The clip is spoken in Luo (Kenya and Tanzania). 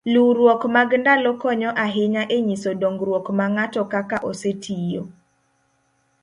luwruok mag ndalo konyo ahinya e nyiso dongruok ma ng'ato kaka osetiyo